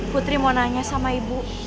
putri mau nanya sama ibu